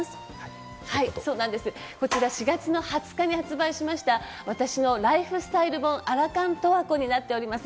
そうなんです、こちら４月の２０日に発売しました、私のライフスタイル本『アラ還十和子』になっております。